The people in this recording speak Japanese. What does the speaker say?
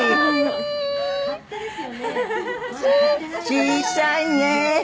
小さいね。